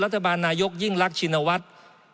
รัฐบาลนายกยิ่งรักชินวัตร